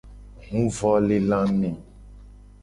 Huvolelame.